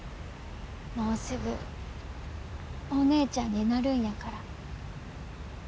もうすぐお姉ちゃんになるんやから。